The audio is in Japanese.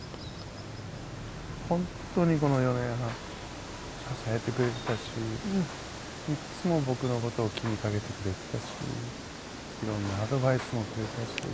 本当にこの４年半支えてくれてたしいつも僕の事を気にかけてくれてたし色んなアドバイスもくれたし。